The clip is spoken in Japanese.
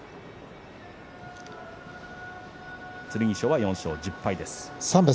剣翔は４勝１０敗です。